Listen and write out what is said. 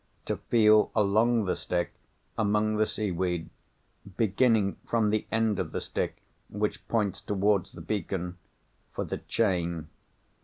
To feel along the stick, among the seaweed (beginning from the end of the stick which points towards the beacon), for the Chain.